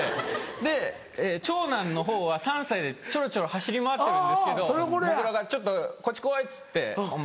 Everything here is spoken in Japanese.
で長男のほうは３歳でチョロチョロ走り回ってるんですけどもぐらがちょっとこっち来いっつってお前